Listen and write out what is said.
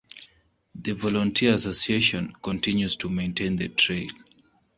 The volunteer association continues to maintain the trail.